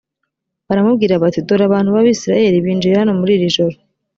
baramubwira bati «dore abantu b’abayisraheli binjiye hano muri iri joro,